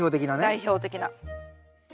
代表的な。